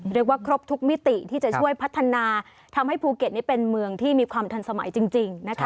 เรียกว่าครบทุกมิติที่จะช่วยพัฒนาทำให้ภูเก็ตนี่เป็นเมืองที่มีความทันสมัยจริงนะคะ